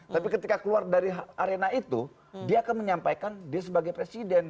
tapi ketika keluar dari arena itu dia akan menyampaikan dia sebagai presiden